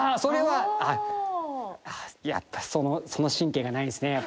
あっやっぱその神経がないんすね。